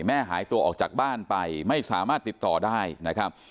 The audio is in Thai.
หายตัวออกจากบ้านไปไม่สามารถติดต่อได้นะครับ